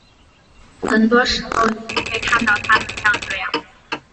很多时候你不会看到他们像这样。